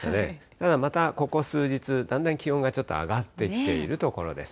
ただ、またここ数日、だんだん気温がちょっと上がってきているところです。